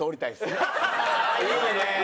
いいね。